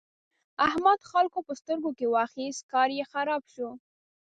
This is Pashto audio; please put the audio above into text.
احمد خلګو په سترګو کې واخيست؛ کار يې خراب شو.